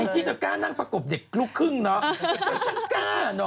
ไอ้ที่จะก้านั่งปะกบเด็กลูกครึ่งเนาะ